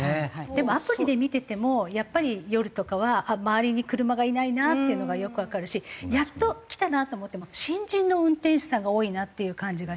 でもアプリで見ててもやっぱり夜とかは周りに車がいないなっていうのがよくわかるしやっと来たなと思っても新人の運転手さんが多いなっていう感じがして。